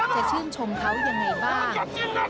ชื่นชมเขายังไงบ้าง